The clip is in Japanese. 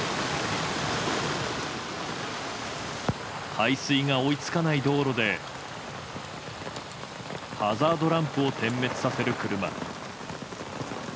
排水が追いつかない道路でハザードランプを点滅させる車。